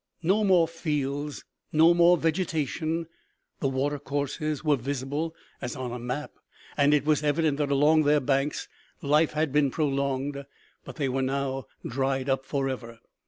No more fields, no more vegetation ; the watercourses were visible as on a map, and it was evi dent that along their banks life had been prolonged ; but they were now dried up forever.